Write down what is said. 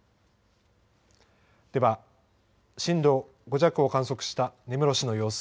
では、震度５弱を観測した根室市の様子。